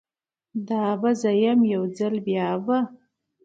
دا به زه یم، یوځل بیا به